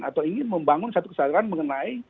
atau ingin membangun satu kesadaran mengenai